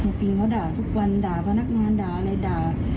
ปีนเขาด่าทุกวันด่าพนักงานด่าอะไรด่า